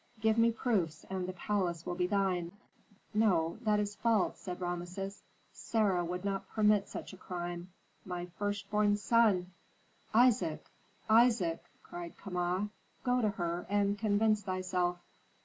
"Give me proofs and the palace will be thine. No, that is false!" said Rameses. "Sarah would not permit such a crime. My first born son!" "Isaac Isaac!" cried Kama. "Go to her, and convince thyself."